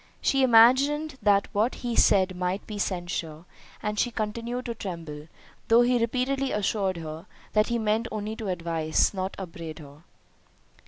She imagined that what he said might be censure, and she continued to tremble, though he repeatedly assured her, that he meant only to advise, not upbraid her.